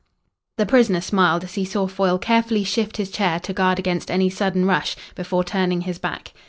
The prisoner smiled as he saw Foyle carefully shift his chair to guard against any sudden rush, before turning his back.